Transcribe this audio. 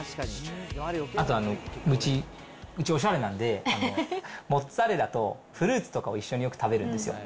あと、うち、おしゃれなんで、モッツァレラとフルーツとかを一緒によく食べるんですよね。